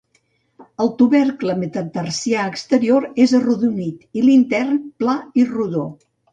El tubercle metatarsià exterior és arrodonit i l'intern pla i rodó.